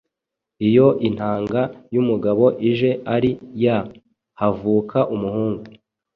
Iyo intanga y’umugabo ije ari Y havuka umuhungu